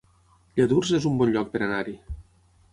Lladurs es un bon lloc per anar-hi